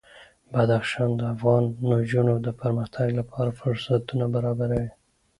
بدخشان د افغان نجونو د پرمختګ لپاره فرصتونه برابروي.